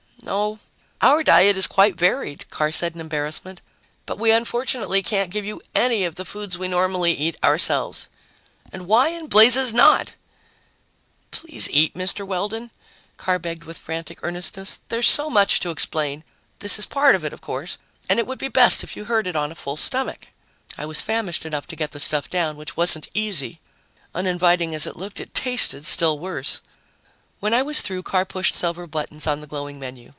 "No, our diet is quite varied," Carr said in embarrassment. "But we unfortunately can't give you any of the foods we normally eat ourselves." "And why in blazes not?" "Please eat, Mr. Weldon," Carr begged with frantic earnestness. "There's so much to explain this is part of it, of course and it would be best if you heard it on a full stomach." I was famished enough to get the stuff down, which wasn't easy; uninviting as it looked, it tasted still worse. When I was through, Carr pushed several buttons on the glowing menu.